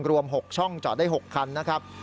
รวม๖ช่องจอดได้๖คันนะครับ